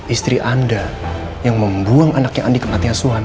istri anda yang membuang anaknya andi kematian suam